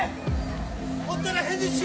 おったら返事しろ！